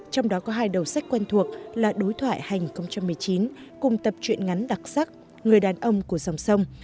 trong đó có hai đầu sách quen thuộc là đối thoại hành hai nghìn một mươi chín cùng tập truyện ngắn đặc sắc người đàn ông của dòng sông